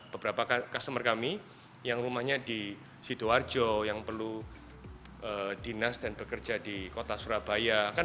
beberapa customer kami yang rumahnya di sidoarjo yang perlu dinas dan bekerja di kota surabaya